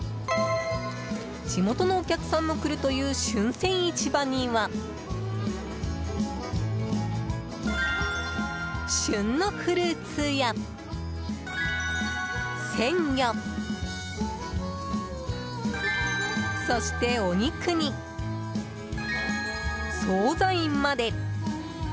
地元のお客さんも来るという旬撰市場には旬のフルーツや鮮魚そして、お肉に総菜まで。